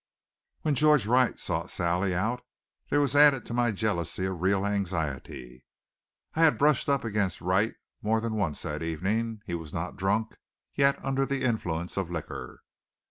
When George Wright sought Sally out there was added to my jealousy a real anxiety. I had brushed against Wright more than once that evening. He was not drunk, yet under the influence of liquor.